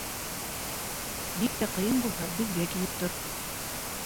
Бик тә ҡыйын булһа, беҙгә килеп тор.